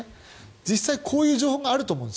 実際、こういう情報があると思うんです。